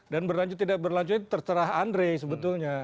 dan berlanjut atau tidak berlanjut itu terserah andre sebetulnya